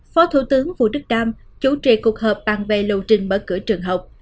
phó thủ tướng vũ đức đam chủ trì cuộc hợp bàn về lưu trình mở cửa trường học